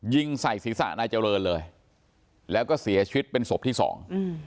ยิงใส่ศีรษะนายเจริญเลยแล้วก็เสียชีวิตเป็นศพที่สองอืม